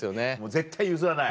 絶対譲らない？